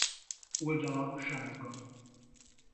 Oldala sárga.